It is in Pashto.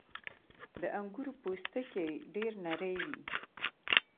• د انګورو پوستکی ډېر نری وي.